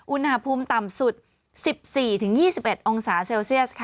อุณหภูมิต่ำสุด๑๔๒๑องศาเซลเซียส